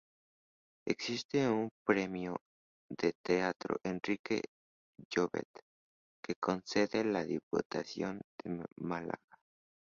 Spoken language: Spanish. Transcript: Existe un Premio de teatro Enrique Llovet que concede la Diputación de Málaga.